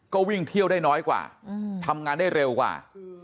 ก็วิ่งเที่ยวได้น้อยกว่าทำงานได้เร็วกว่า